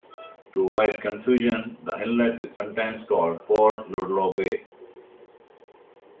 To avoid confusion the inlet is sometimes called Port Ludlow Bay.